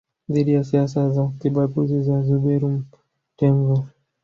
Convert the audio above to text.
dhidi ya siasa za kibaguzi za Zuberi Mtemvu